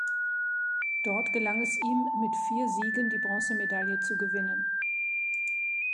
Dort gelang es ihm mit vier Siegen die Bronzemedaille zu gewinnen.